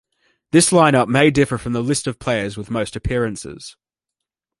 This line-up may differ from the list of players with most appearances.